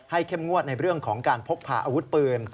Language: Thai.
เข้มงวดในเรื่องของการพกพาอาวุธปืน